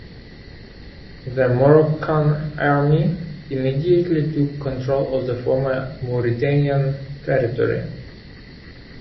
The Moroccan Army immediately took control of the former Mauritanian territory.